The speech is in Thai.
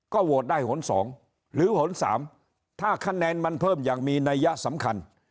ก็โหวตได้หนึ่งสองหรือหนึ่งสามถ้าคะแนนมันเพิ่มอย่างมีนัยสำคัญ